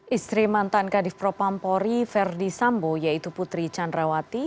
istri mantan kadif propampori verdi sambo yaitu putri candrawati